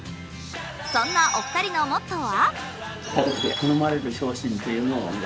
そんなお二人のモットーは？